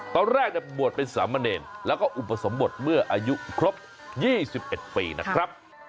ตอนแรกบวชเป็นสามเณรแล้วก็อุปสมบทเมื่ออายุครบ๒๑ปีนะครับ